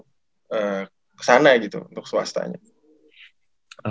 kesana gitu untuk swastanya